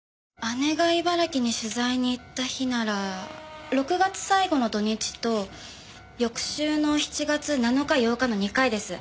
姉が茨城に取材に行った日なら６月最後の土日と翌週の７月７日８日の２回です。